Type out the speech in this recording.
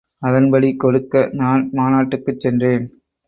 அதன்படி கொடுக்க நான் மாநாட்டுக்குச் சென்றேன்.